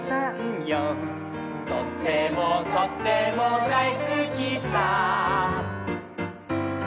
「とってもとってもだいすきさ」